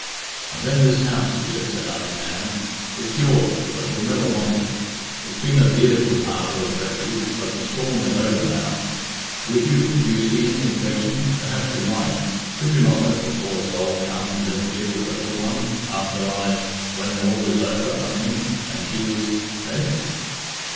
"And then this house, dear," said Auntie Nan. "It's yours, but you'll never want it. It's been a dear little harbour of refuge, but the storm is over now. Would you do you see any objection perhaps you might could you not let the poor soul come and live here with her little one, after I when all is over, I mean and she is eh?"